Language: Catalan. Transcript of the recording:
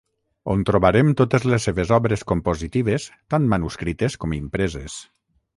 On trobarem totes les seves obres compositives tant manuscrites com impreses.